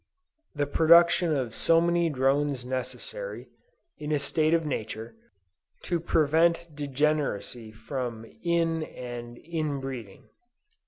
THE PRODUCTION OF SO MANY DRONES NECESSARY, IN A STATE OF NATURE, TO PREVENT DEGENERACY FROM "IN AND IN BREEDING."